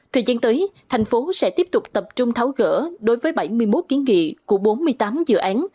thời gian tới thành phố sẽ tiếp tục tập trung tháo gỡ đối với bảy mươi một kiến nghị của bốn mươi tám dự án